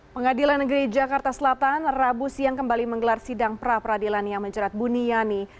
pengadilan negeri jakarta selatan rabu siang kembali menggelar sidang pra peradilan yang menjerat buniani